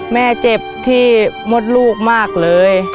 แม่เจ็บที่มดลูกมากเลย